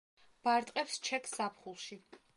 ბარტყებს ჩეკს ზაფხულში.